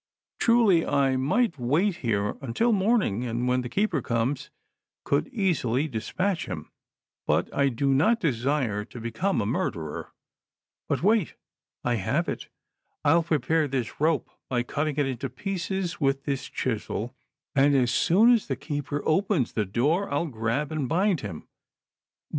Truly, I might wait here until morning, and when the keeper comes, could easily dispatch him, but I do not desire to become a murderer; but, wait, I have it — I'll prepare this rope, by cutting it into pieces with this chisel, and as soon as the keeper opens the door I'll grab and bind him ; but.